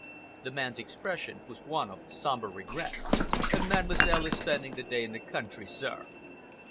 The man's expression was one of sombre regret. "Mademoiselle is spending the day in the country, sir.